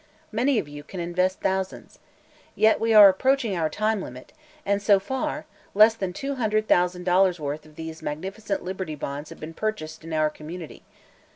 Many of you can invest thousands. Yet we are approaching our time limit and, so far, less than two hundred thousand dollars' worth of these magnificent Liberty Bonds have been purchased in our community!